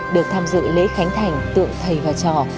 được tham dự lễ khánh thành tượng thầy và trò